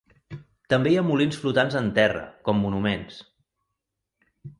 També hi ha molins flotants en terra, com monuments.